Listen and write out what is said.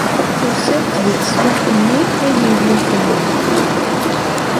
Tusiḍ-d deg teswiɛt-nni ay iwutan.